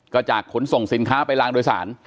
ก็จากขนส่งสินค้าไปลางโดยสาร